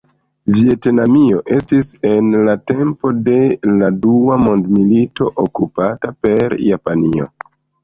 Vjetnamio estis en la tempo de la dua mondmilito okupata per Japanio.